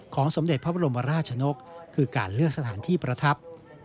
สมเด็จพระบรมราชนกคือการเลื่อนสถานที่ประทับ